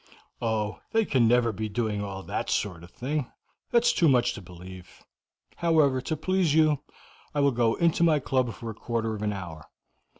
"Oh, they can never be doing all that sort of thing; that's too much to believe. However, to please you, I will go into my club for a quarter of an hour.